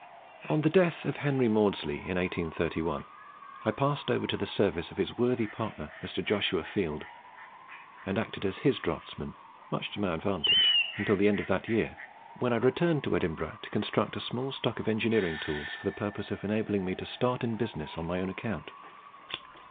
"On the death of Henry Maudslay in 1831, I passed over to the service of his worthy partner, Mr. Joshua Field, and acted as his draughtsman, much to my advantage, until the end of that year, when I returned to Edinburgh, to construct a small stock of engineering tools for the purpose of enabling me to start in business on my own account.